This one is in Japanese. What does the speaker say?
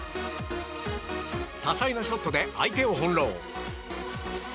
多彩なショットで相手を翻弄。